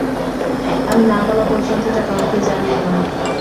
আমি না বলা পর্যন্ত এটা কাউকে জানিয়ো না।